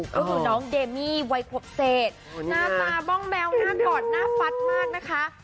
ก็คือน้องเดมี่วัยขวบเศษหน้าตาบ้องแมวหน้ากอดหน้าฟัดมากนะคะ